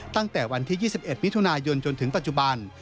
ตั้งแต่วันที่๒๑มิถุนายนจนถึงปัจจุบัน